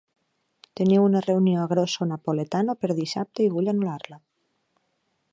Tenia una reunió a Grosso Napoletano per dissabte i vull anul·lar-la.